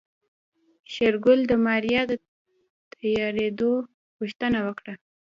شېرګل د ماريا د تيارېدو غوښتنه وکړه.